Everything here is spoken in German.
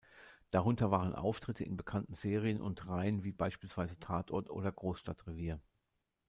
Darunter waren Auftritte in bekannten Serien und Reihen wie beispielsweise "Tatort" oder "Großstadtrevier".